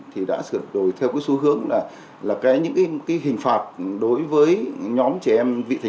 thì đã sửa đổi theo cái xu hướng là những hình phạt đối với nhóm trẻ em việt nam